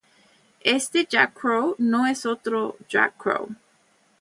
Este Jack Crow no es otro Jack Crow.